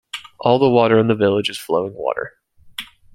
All the water in the village is flowing water.